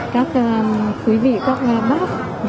các quý vị các bác